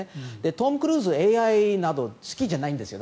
トム・クルーズはＡＩなどが好きじゃないんですよ。